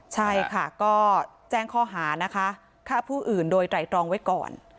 ใช่ค่ะก็แจ้งข้อหานะคะฆ่าผู้อื่นโดยไตรตรองไว้ก่อน